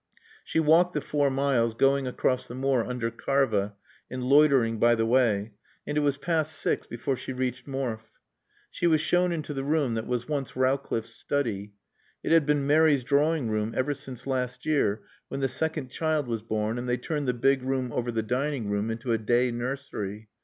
She walked the four miles, going across the moor under Karva and loitering by the way, and it was past six before she reached Morfe. She was shown into the room that was once Rowcliffe's study. It had been Mary's drawing room ever since last year when the second child was born and they turned the big room over the dining room into a day nursery.